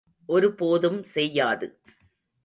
ஒரு போதும் செய்யாது.